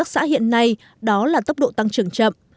xã hiện nay đó là tốc độ tăng trưởng chậm